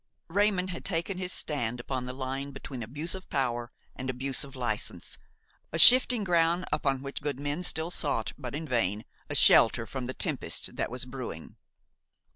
Raymon had taken his stand upon the line between abuse of power and abuse of licence, a shifting ground upon which good men still sought, but in vain, a shelter from the tempest that was brewing.